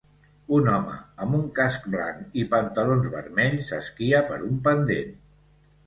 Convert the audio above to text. Un home amb un casc blanc i pantalons vermells esquia per un pendent